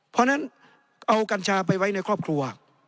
เพราะฉะนั้นเอากัญชาไปไว้ในครอบครัว